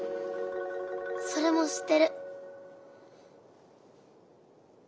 それも知ってる。